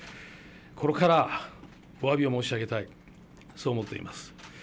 心からおわびを申し上げたい、そう思っています。